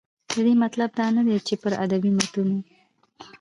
د دې مطلب دا نه دى، چې پر ادبي متونو